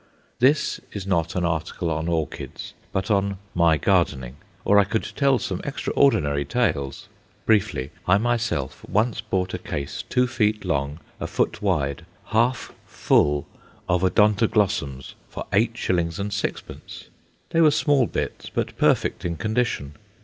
This is not an article on orchids, but on "My Gardening," or I could tell some extraordinary tales. Briefly, I myself once bought a case two feet long, a foot wide, half full of Odontoglossums for 8s. 6d. They were small bits, but perfect in condition.